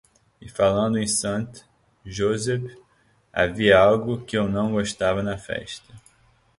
E falando em Sant Josep, havia algo de que eu não gostava na festa.